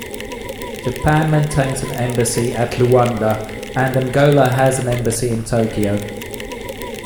Japan maintains an embassy at Luanda and Angola has an embassy in Tokyo.